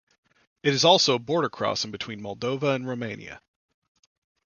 It is also a border crossing between Moldova and Romania.